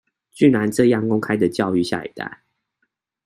居然這樣公開的教育下一代